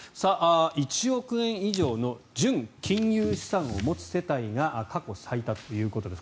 １億円以上の純金融資産を持つ世帯が過去最多ということです。